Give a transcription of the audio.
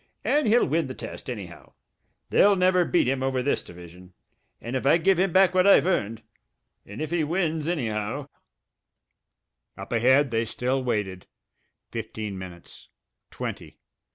And he'll win the test, anyhow ... they'll never beat him over this division ... if I give him back what I've earned ... and if he wins anyhow " Up ahead they still waited. Fifteen minutes. Twenty.